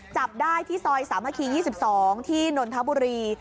จับได้ที่ซอยสามัคคี๒๒ที่นนทบุรี